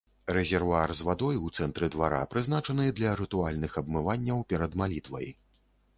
Рэзервуар з вадой у цэнтры двара прызначаны для рытуальных абмыванняў перад малітвай.